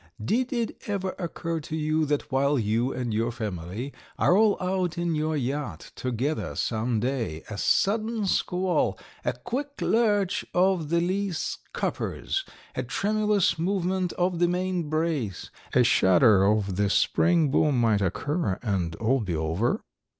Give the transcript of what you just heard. Did it ever occur to you that while you and your family are all out in your yacht together some day, a sudden squall, a quick lurch of the lee scuppers, a tremulous movement of the main brace, a shudder of the spring boom might occur and all be over?"